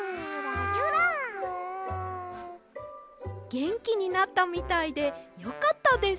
げんきになったみたいでよかったです！